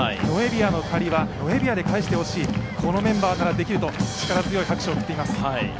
ノエビアの借りはノエビアで返してほしい、このメンバーならできると、力強い拍手を送っています。